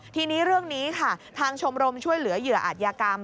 ทีนี้เรื่องนี้ค่ะทางชมรมช่วยเหลือเหยื่ออาจยากรรม